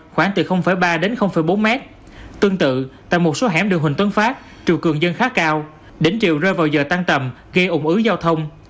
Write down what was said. khoảng từ ba đến bốn mét tương tự tại một số hẻm đường huỳnh tuấn phát triều cường dân khá cao đỉnh chiều rơi vào giờ tăng tầm gây ủng ứ giao thông